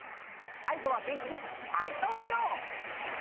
さいごはげんきにたいそうしよう！